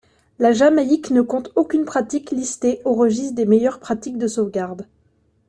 La Jamaïque ne compte aucune pratique listée au registre des meilleures pratiques de sauvegarde.